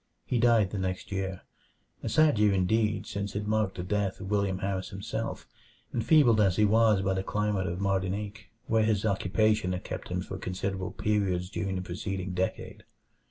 He died the next year a sad year indeed, since it marked the death of William Harris himself, enfeebled as he was by the climate of Martinique, where his occupation had kept him for considerable periods during the preceding decade.